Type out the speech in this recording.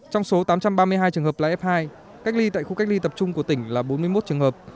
trong số tám trăm ba mươi hai trường hợp là f hai cách ly tại khu cách ly tập trung của tỉnh là bốn mươi một trường hợp